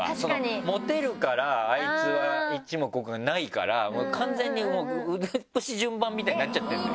モテるからあいつは一目置くがないから完全にもう腕っ節順番みたいになっちゃってるのよ。